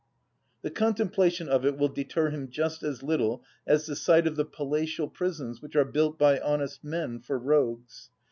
The contemplation of it will deter him just as little as the sight of the palatial prisons which are built by honest men for rogues.